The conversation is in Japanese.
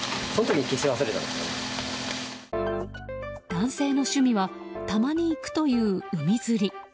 男性の趣味はたまに行くという海釣り。